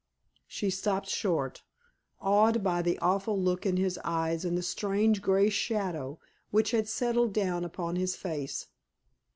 She stopped short, awed by the awful look in his eyes and the strange gray shadow which had settled down upon his face.